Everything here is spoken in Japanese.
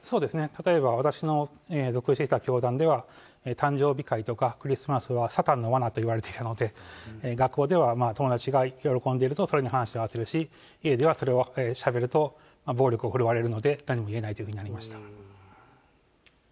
例えば私の属していた教団では、誕生日会とかクリスマスはサタンの罠と言われていたので、学校では友達が喜んでいると、それに合わせるし、家ではそれをしゃべると、暴力を振るわれるの誕生日が？